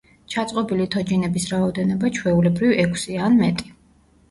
ჩაწყობილი თოჯინების რაოდენობა, ჩვეულებრივ, ექვსია ან მეტი.